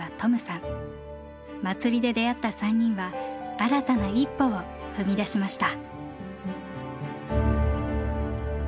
祭りで出会った３人は新たな一歩を踏み出しました。